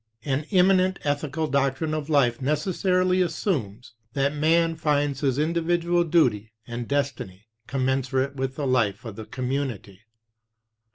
An immanent ethical doctrine of life necessarily assumes that man finds his individual duty and destiny commensurate with the life of the community.